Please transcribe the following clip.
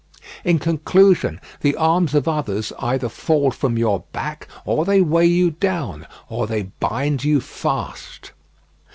In conclusion, the arms of others either fall from your back, or they weigh you down, or they bind you fast.